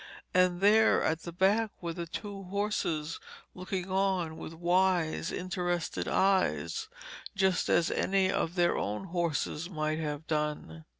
And there at the back were the two horses looking on with wise interested eyes, just as any of their own horses might have done.